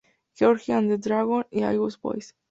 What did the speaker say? George and the Dragon" y "All Us Boys".